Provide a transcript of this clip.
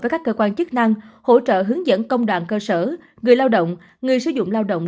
với các cơ quan chức năng hỗ trợ hướng dẫn công đoàn cơ sở người lao động người sử dụng lao động